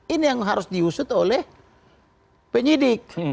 ini yang harus diusut oleh penyidik